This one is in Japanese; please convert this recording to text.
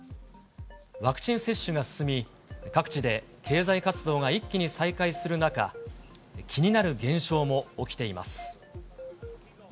ワクチン接種が進み、各地で経済活動が一気に再開する中、気になる現象も起きています。